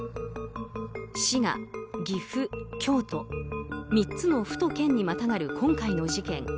滋賀、岐阜、京都３つの府と県にまたがる今回の事件。